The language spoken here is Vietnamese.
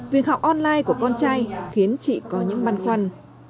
việc học online của con trai khiến chị có những băn khoăn